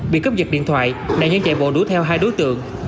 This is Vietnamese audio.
bị cướp giật điện thoại đại nhân chạy bộ đua theo hai đối tượng